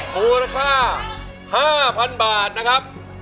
มูลค่า๕๐๐๐บาทนะครับ